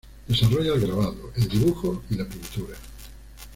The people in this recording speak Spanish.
Desarrolla el grabado, el dibujo y la pintura.